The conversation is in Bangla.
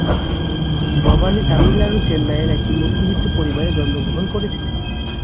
ভবানী তামিলনাড়ুর চেন্নাইয়ের একটি মধ্যবিত্ত পরিবারে জন্মগ্রহণ করেছিলেন।